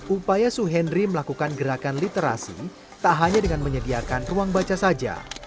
upaya suhendri melakukan gerakan literasi tak hanya dengan menyediakan ruang baca saja